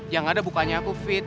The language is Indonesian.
yang ada bukannya aku fit